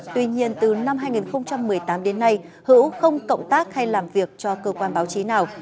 tuy nhiên từ năm hai nghìn một mươi tám đến nay hữu không cộng tác hay làm việc cho cơ quan báo chí nào